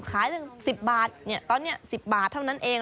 ตั้ง๑๐บาทตอนนี้๑๐บาทเท่านั้นเอง